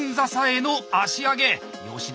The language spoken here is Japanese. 吉田